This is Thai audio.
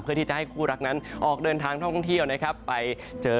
เพื่อที่จะให้คู่รักนั้นออกเดินทางท่องเที่ยวนะครับไปเจอ